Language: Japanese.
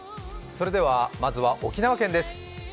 まずは沖縄県です。